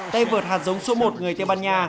tay vượt hạt giống số một gửi tây ban nha